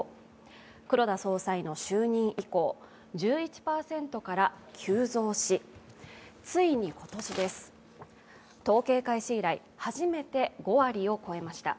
黒田総裁の就任以降１２％から急増し、ついに今年、統計開始以来初めて５割を超えました。